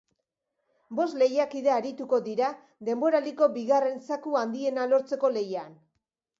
Bost lehiakide arituko dira denboraldiko bigarren zaku handiena lortzeko lehian.